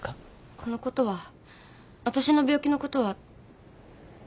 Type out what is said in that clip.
このことはわたしの病気のことは。